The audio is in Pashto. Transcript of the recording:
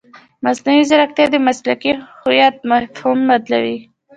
مصنوعي ځیرکتیا د مسلکي هویت مفهوم بدلوي.